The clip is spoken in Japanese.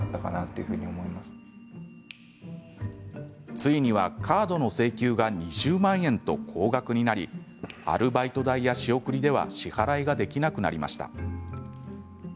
ついには、カードの請求が２０万円と高額になりアルバイト代や仕送りでは支払いができなくなりました。